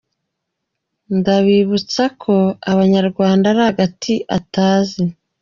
Ndamwibutsa ko abanyarwanda ari agati atazi.